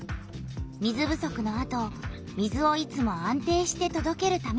水不足のあと水をいつも安定してとどけるためにつくられた。